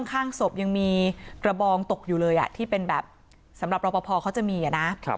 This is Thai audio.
ข้างศพยังมีกระบองตกอยู่เลยที่เป็นแบบสำหรับรอปภเขาจะมีนะ